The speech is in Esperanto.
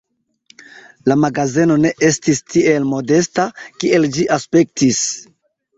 La magazeno ne estis tiel modesta, kiel ĝi aspektis.